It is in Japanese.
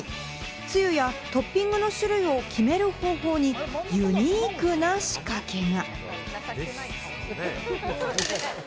つゆや、トッピングの種類を決める方法にユニークな仕掛けが。